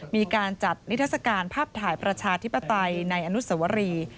มีการจัดนิทัศกาลภาพถ่ายประชาธิปไตยในอนุสวรี